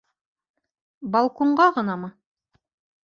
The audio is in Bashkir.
Балконға ғынамы?